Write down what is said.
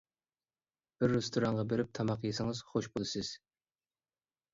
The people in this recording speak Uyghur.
بىر رېستورانغا بېرىپ تاماق يېسىڭىز، خوش بولىسىز.